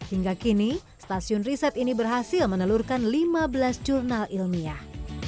hingga kini stasiun riset ini berhasil menelurkan lima belas jurnal ilmiah